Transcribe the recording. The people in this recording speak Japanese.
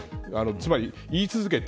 つまり、言い続けて。